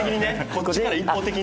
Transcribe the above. こっちから一方的に。